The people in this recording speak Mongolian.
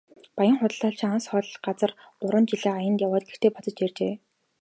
Баян худалдаачин алс хол газар гурван жилийн аянд яваад гэртээ буцаж иржээ.